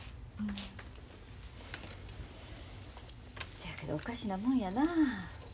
せやけどおかしなもんやなあ。